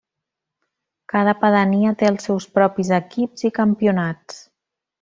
Cada pedania té els seus propis equips i campionats.